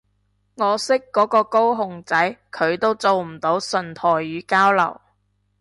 我識嗰個高雄仔佢都做唔到純台語交流